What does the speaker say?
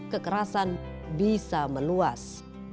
kekerasan bisa meluas